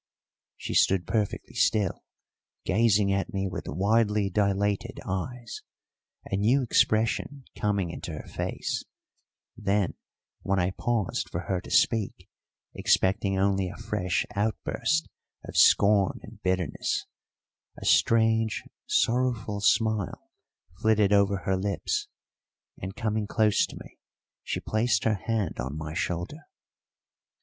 She stood perfectly still, gazing at me with widely dilated eyes, a new expression coming into her face; then when I paused for her to speak, expecting only a fresh outburst of scorn and bitterness, a strange, sorrowful smile flitted over her lips, and, coming close to me, she placed her hand on my shoulder.